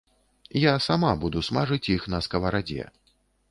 Я сама буду смажыць іх на скаварадзе.